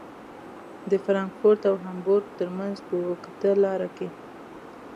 د فرانکفورت او هامبورګ ترمنځ په اوږده لاره کې.